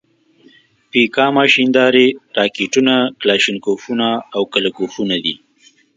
پیکا ماشیندارې، راکېټونه، کلاشینکوفونه او کله کوفونه دي.